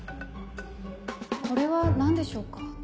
これは何でしょうか？